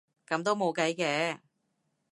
噉都冇計嘅